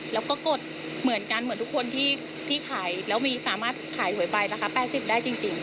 แล้วก็กดเหมือนกันเหมือนทุกคนที่ขายแล้วมีสามารถขายหวยไปนะคะ๘๐ได้จริง